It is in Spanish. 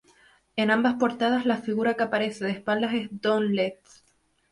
En ambas portadas, la figura que aparece de espaldas es Don Letts.